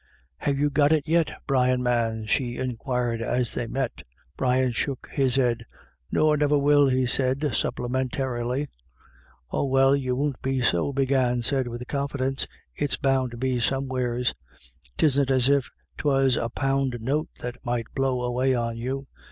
" Have you got it yit, Brian, man ?" she inquired as they met. Brian shook his head. u Nor niver will," he said supplementarily. *" Ah well, you won't be so," Big Anne said with confidence ;" it's bound to be somewheres. 'Tisn't as if 'twas a poun' note that might blow away on you.